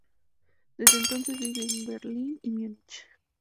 Desde entonces vive en Berlín y Múnich.